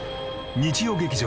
日曜劇場